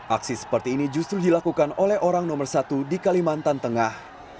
aksi seperti ini justru dilakukan oleh orang nomor satu di kalimantan tengah